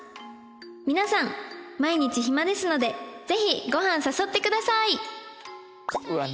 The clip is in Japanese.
「皆さん毎日暇ですのでぜひご飯誘ってください！」